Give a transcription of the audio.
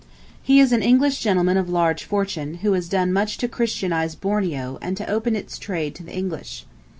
He is an English gentleman of large fortune who has done much to Christianize Borneo, and to open its trade to the English.